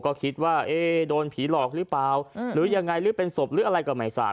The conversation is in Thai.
ก็คิดว่าโดนผีหลอกหรือเปล่าหรือยังไงหรือเป็นศพหรืออะไรก็ไม่ทราบ